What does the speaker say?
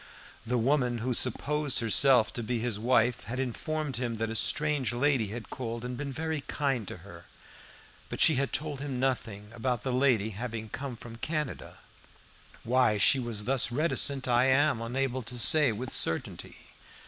The woman who supposed herself to be his wife had informed him that a strange lady had called and been very kind to her, but she had told him nothing about the lady having come from Canada. Why she was thus reticent I am unable to say with certainty.